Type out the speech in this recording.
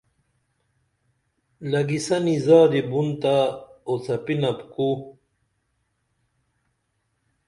لگیسنی زادی بُن تہ اوڅپینپ کُو